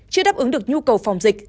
chưa đáp ứng được nhu cầu phòng dịch